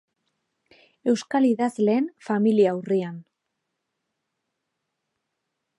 Euskal idazleen familia urrian.